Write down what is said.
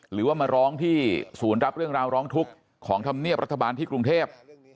หรือว่ามาร้องที่ศูนย์รับเรื่องราวร้องทุกข์ของธรรมเนียบรัฐบาลที่กรุงเทพ